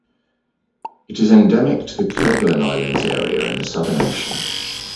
It is endemic to the Kerguelen Islands area in the Southern Ocean.